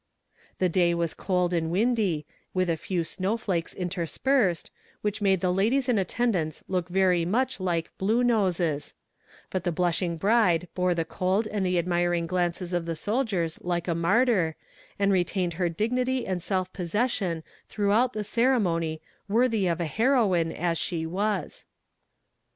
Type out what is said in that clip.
The day was cold and windy, with a few snow flakes interspersed, which made the ladies in attendance look very much like "blue noses"; but the blushing bride bore the cold and the admiring glances of the soldiers like a martyr, and retained her dignity and self possession throughout the ceremony worthy of a heroine, as she was.